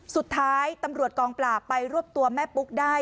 สุดท้ายตำรวจกองปราบไปรวบตัวแม่ปุ๊กได้